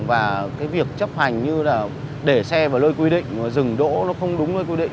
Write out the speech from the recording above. và cái việc chấp hành như là để xe vào lối quy định dừng đỗ nó không đúng lối quy định